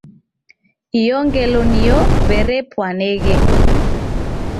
Iyo ngelo niyo w'erepwaneghe.